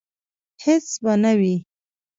هیڅ به نه وي